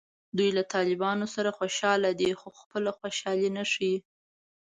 دوی له طالبانو سره خوشحاله دي خو خپله خوشحالي نه ښیي